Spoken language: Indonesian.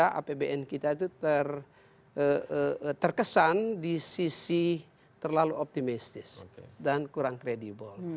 karena apbn kita itu terkesan di sisi terlalu optimistis dan kurang kredibel